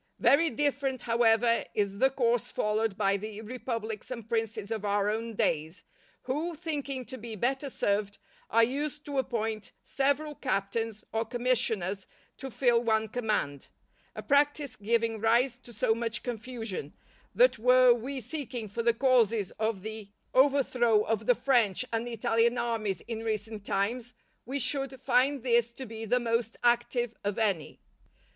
_" Very different, however, is the course followed by the republics and princes of our own days, who, thinking to be better served, are used to appoint several captains or commissioners to fill one command; a practice giving rise to so much confusion, that were we seeking for the causes of the overthrow of the French and Italian armies in recent times, we should find this to be the most active of any.